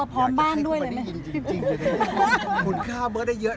ผมไม่ตัวเท่าไรสักนึง